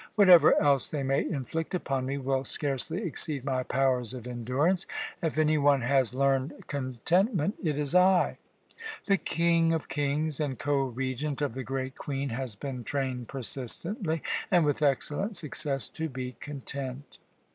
Whatever else they may inflict upon me will scarcely exceed my powers of endurance. If any one has learned contentment it is I. The King of kings and Co Regent of the Great Queen has been trained persistently, and with excellent success, to be content.